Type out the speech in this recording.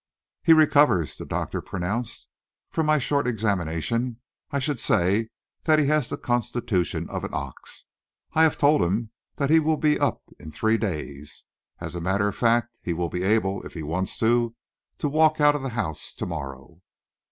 "He recovers," the doctor pronounced. "From my short examination, I should say that he had the constitution of an ox. I have told him that he will be up in three days. As a matter of fact, he will be able, if he wants to, to walk out of the house to morrow."